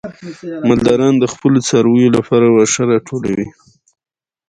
مالداران د خپلو څارویو لپاره واښه راټولوي.